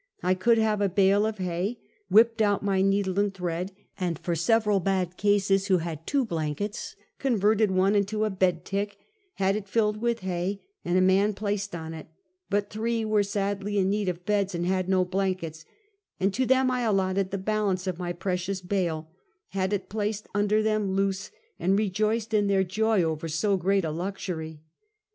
I could have a bale of hay, whipped out my needle and thread, and for several bad cases who had two blankets converted one into a bed tick, had it filled with hay, and a man placed on it; bat three were sadly in need of beds, and had no blankets; and to them I alio ted the balance of my precious bale, had it placed under them loose, and rejoiced in their joy over so great a luxury.